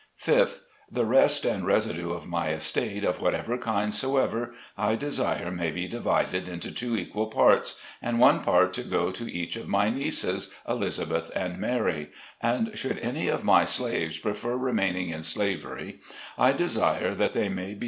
5th. The rest and residue of my estate, of what ever kind soever, I desire may be divided into two equal parts, and one part to go to each of my nieces, Elizabeth and Mary ; and should any of my slaves prefer remaining in slavery, I desire they may be 20 SLAVE CABIN TO PULPIT.